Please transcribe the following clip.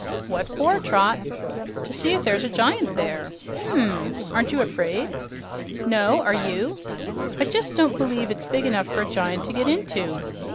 "What for, Trot?" "To see if there's a giant there." "Hm. Aren't you 'fraid?" "No, are you? I just don't b'lieve it's big enough for a giant to get into."